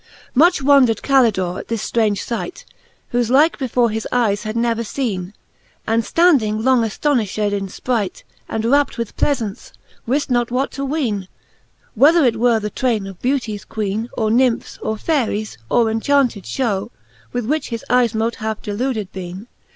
XVII. Much wondred Calidore at this flraunge fight, Whofe like before his eye had never feene, And (landing long aftonifhed in fpright, And rapt with pleafaunce, wift not what to weene j Whether it were the traine of beauties Queene, Or Nymphes, or Faeries, or enchaunted fliow, With which his eyes mote have deluded bcene.